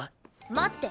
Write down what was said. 待って。